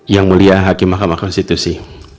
yang mulia hakim mahkamah konstitusi